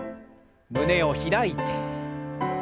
胸を開いて。